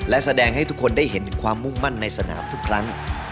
และแสดงให้ทุกคนได้เห็นถึงความมุ่งมั่นในสนามทุกครั้ง